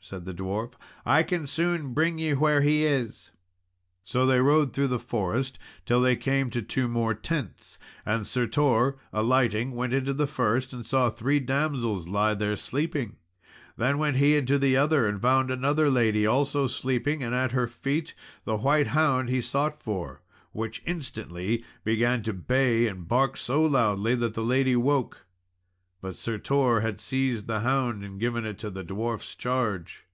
said the dwarf; "I can soon bring ye where he is." So they rode through the forest till they came to two more tents. And Sir Tor alighting, went into the first, and saw three damsels lie there, sleeping. Then went he to the other, and found another lady also sleeping, and at her feet the white hound he sought for, which instantly began to bay and bark so loudly, that the lady woke. But Sir Tor had seized the hound and given it to the dwarfs charge.